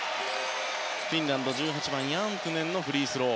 フィンランドは１８番、ヤントゥネンのフリースロー。